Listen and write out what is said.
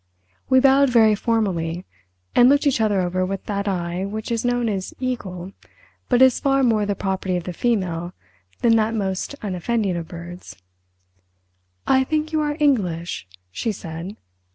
We bowed very formally, and looked each other over with that eye which is known as "eagle" but is far more the property of the female than that most unoffending of birds. "I think you are English?" she said.